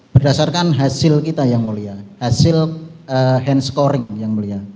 berdasarkan hasil kita yang mulia hasil hand scoring yang mulia